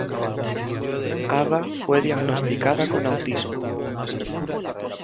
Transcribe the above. Ava fue diagnosticada con autismo.